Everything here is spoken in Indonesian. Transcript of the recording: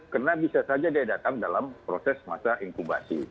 karena bisa saja dia datang dalam proses masa inkubasi